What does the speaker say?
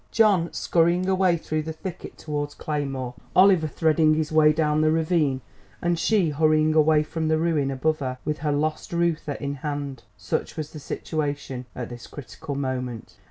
John skurrying away through the thicket towards Claymore, Oliver threading his way down the ravine, and she hurrying away from the ruin above with her lost Reuther in hand! Such was the situation at this critical moment.